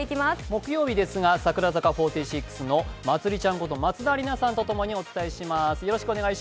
木曜日ですが、櫻坂４６のまつりちゃんこと松田里奈さんと共にお伝えします。